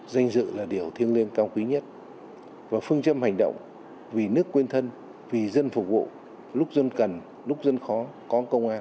danh dự là điều thiêng liêng cao quý nhất và phương châm hành động vì nước quên thân vì dân phục vụ lúc dân cần lúc dân khó có công an